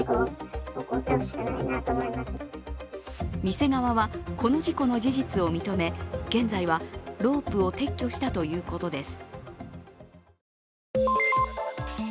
店側はこの事故の事実を認め、現在はロープを撤去したということです。